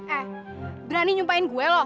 eh berani nyumpahin gue loh